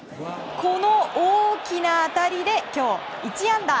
この大きな当たりで今日、１安打。